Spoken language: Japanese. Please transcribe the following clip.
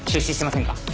出資しませんか？